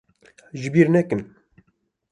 Ji bîr nekin.